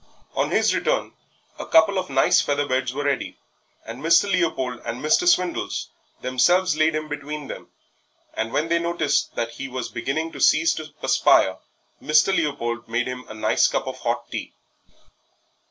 On his return a couple of nice feather beds were ready, and Mr. Leopold and Mr. Swindles themselves laid him between them, and when they noticed that he was beginning to cease to perspire Mr. Leopold made him a nice cup of hot tea.